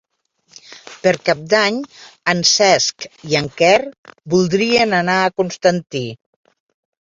Per Cap d'Any en Cesc i en Quer voldrien anar a Constantí.